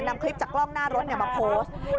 นำคลิปจากกล้องหน้ารถมาโพสต์